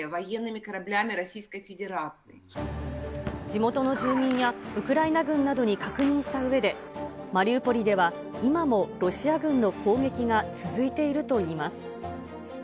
地元の住民やウクライナ軍などに確認したうえで、マリウポリでは今もロシア軍の攻撃が続いているといいます。